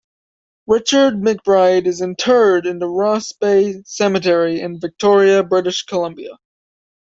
Richard McBride is interred in the Ross Bay Cemetery in Victoria, British Columbia.